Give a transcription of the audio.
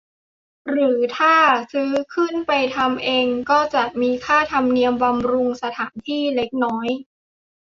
หรือถ้าซื้อขึ้นไปทำเองก็จะมีค่าธรรมเนียมบำรุงสถานที่เล็กน้อย